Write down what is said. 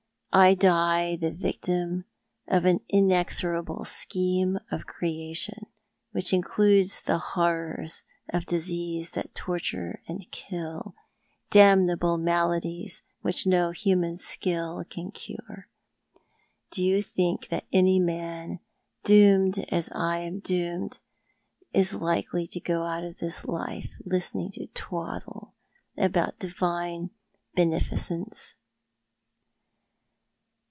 I die the victim of an inexorable scheme of Creation which includes the horrors of diseases that torture and kill, damnable maladies which no human skill can cure. Do you think that any man, doomed as I am doomed, is likely to go out of this life listening to twaddle about Divine Bene ficence